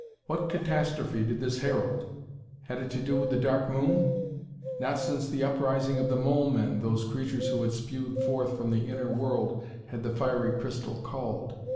What catastrophe did this herald? Had it to do with the Dark Moon? Not since the uprising of the Mole men, those creatures who had spewed forth from the inner world, had the fiery crystal called!...